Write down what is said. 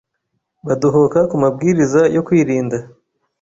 badohoka ku mabwiriza yo kwirinda